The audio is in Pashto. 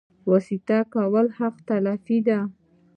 واسطه کول حق تلفي ده